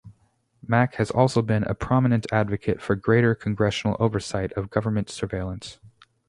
Mack has also been a prominent advocate for greater congressional oversight of government surveillance.